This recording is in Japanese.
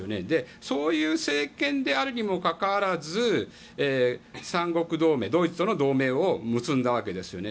そういう政権であるにもかかわらず三国同盟、ドイツとの同盟を結んだわけですよね。